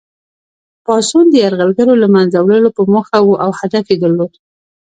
پاڅون د یرغلګرو له منځه وړلو په موخه وو او هدف یې درلود.